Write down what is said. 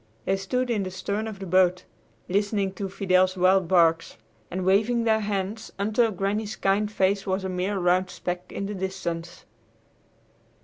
They stood in the stern of the boat, listening to Fidel's wild barks, and waving their hands, until Granny's kind face was a mere round speck in the distance.